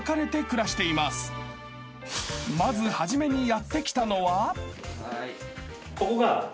［まず初めにやって来たのは］